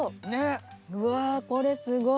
うわこれすごい。